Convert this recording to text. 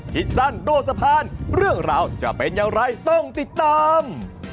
คิดสั้นโดนสะพานเรื่องราวจะเป็นอย่างไรต้องติดตาม